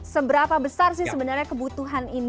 seberapa besar sih sebenarnya kebutuhan ini